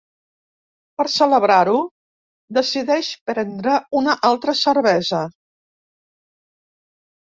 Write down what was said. Per celebrar-ho decideix prendre una altra cervesa.